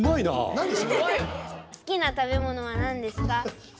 好きな食べものはなんですか？